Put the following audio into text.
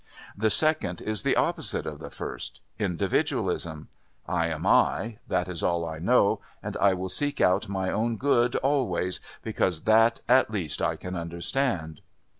The second is the opposite of the first Individualism. 'I am I. That is all I know, and I will seek out my own good always because that at least I can understand.'